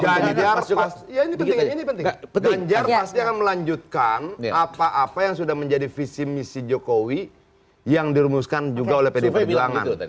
ganjar pasti akan melanjutkan apa apa yang sudah menjadi visi misi jokowi yang dirumuskan juga oleh pdp bilangan